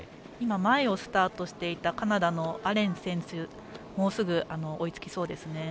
前をスタートしていたカナダのアレンツ選手にもうすぐ、追いつきそうですね。